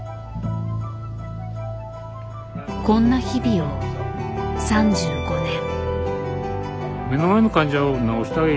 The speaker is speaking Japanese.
こんな日々を３５年。